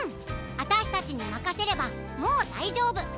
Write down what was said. あたしたちにまかせればもうだいじょうぶ。